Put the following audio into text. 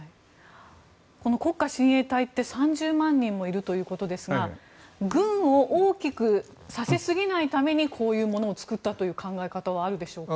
この国家親衛隊って３０万人もいるということですが軍を大きくさせすぎないためにこういうものを作ったという考え方はあるでしょうか。